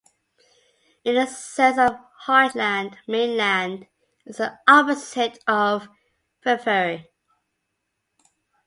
In the sense of "heartland", mainland is the opposite of periphery.